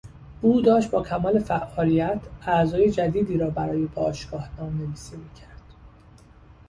او داشت با کمال فعالیت اعضای جدیدی را برای باشگاه نام نویسی میکرد.